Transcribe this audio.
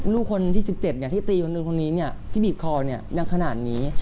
ลูกคนที่๑๗เนี่ยที่ตีคนอื่นคนอื่นนี้เนี่ยที่บีบคอเนี่ยอย่างขนาดนี้